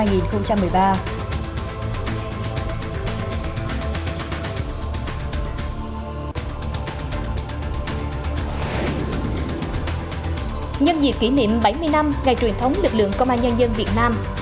nhân dịp kỷ niệm bảy mươi năm ngày truyền thống lực lượng công an nhân dân việt nam